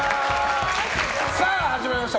さあ、始まりました。